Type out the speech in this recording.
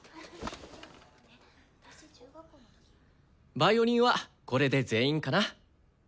ヴァイオリンはこれで全員かな？